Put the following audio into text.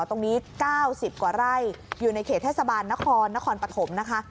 ตรงนี้๙๐กว่าไร่อยู่ในเขตเทศบาลนครนครปฐมนะคะ